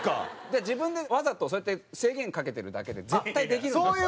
だから自分でわざとそうやって制限かけてるだけで絶対できるんですよ。